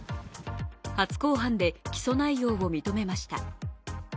初公判で起訴内容を認めました。